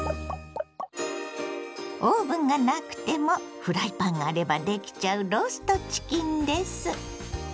オーブンがなくてもフライパンがあればできちゃうローストチキンです。